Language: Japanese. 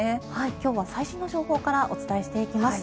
今日は最新の情報からお伝えしていきます。